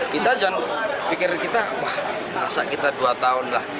kita jangan pikir kita wah masa kita dua tahun lah